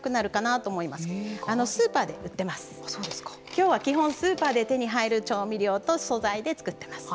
今日は基本スーパーで手に入る調味料と素材で作ってます。